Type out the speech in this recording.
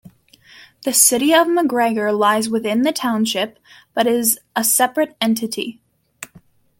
The city of McGregor lies within the township but is a separate entity.